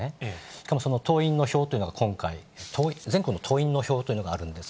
しかも党員の票というのは今回、全国の党員の票というのがあるんです。